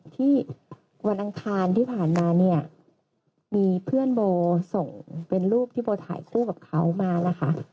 ที่วันอังคารที่ผ่านมาเนี่ยมีเพื่อนโบส่งเป็นรูปที่โบถ่ายคู่กับเขามานะคะ